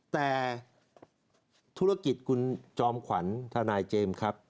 แต่ธุรกิจคุณจอมขวัญทนายเจมส์ครับ